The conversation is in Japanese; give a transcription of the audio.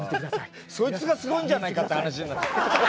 そいつがすごいんじゃないかって話になって。